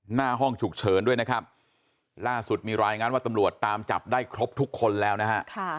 หน้าห้องฉุกเฉินด้วยนะครับล่าสุดมีรายงานว่าตำรวจตามจับได้ครบทุกคนแล้วนะฮะ